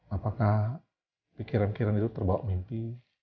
apakah pikiran pikiran itu terbawa mimpi